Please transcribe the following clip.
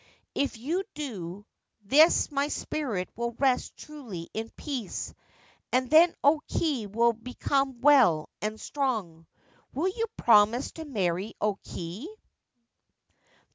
If you do this my spirit will rest truly in peace, and then O Kei will become well and strong. Will you promise to marry O Kei